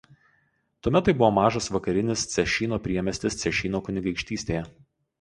Tuomet tai buvo mažas vakarinis Cešyno priemiestis Cešyno kunigaikštystėje.